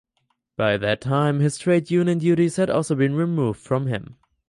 By that time his trades union duties had also been removed from him.